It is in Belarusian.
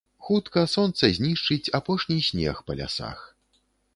Хутка сонца знішчыць апошні снег па лясах.